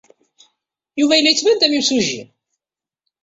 Yuba yella yettban-d am yimsujji.